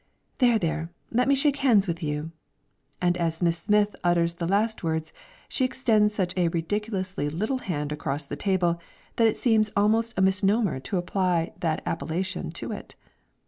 There, there, let me shake hands with you." And as Miss Smith utters the last words, she extends such a ridiculously little hand across the table, that it seems almost a misnomer to apply that appellation to it.